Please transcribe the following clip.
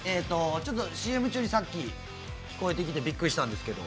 ＣＭ中にさっき聞こえてきてびっくりしたんですけど。